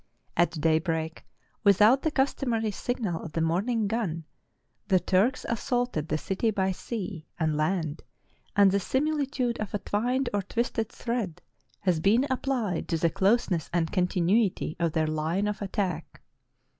At daybreak, without the customary signal of the morning gun, the Turks assaulted the city by sea and land ; and the similitude of a twined or twisted thread has been applied to the closeness and continuity of their line of attack.